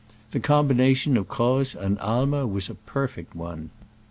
The combination of Croz and Aimer was a perfect one.